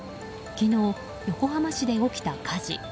昨日、横浜市で起きた火事。